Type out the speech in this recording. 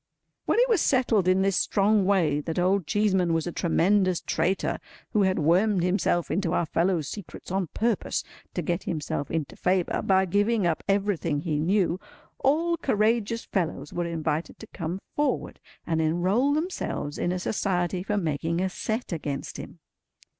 When it was settled in this strong way that Old Cheeseman was a tremendous traitor, who had wormed himself into our fellows' secrets on purpose to get himself into favour by giving up everything he knew, all courageous fellows were invited to come forward and enrol themselves in a Society for making a set against him.